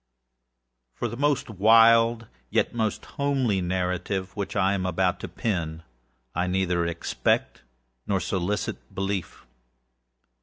For the most wild, yet most homely narrative which I am about to pen, I neither expect nor solicit belief.